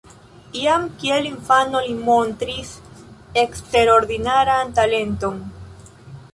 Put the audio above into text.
Jam kiel infano li montris eksterordinaran talenton.